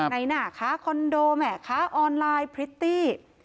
ในหน้าค้าคอนโดแม่ค้าออนไลน์พริตตี้